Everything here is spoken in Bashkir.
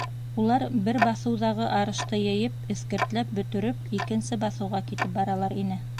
Улар, бер баҫыуҙағы арышты йыйып, эҫкертләп бөтөрөп, икенсе баҫыуға китеп баралар ине.